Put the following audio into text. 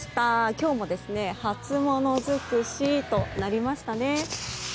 今日も初物尽くしとなりましたね。